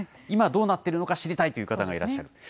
今、どうなっているのか、知りたいという方がいらっしゃる。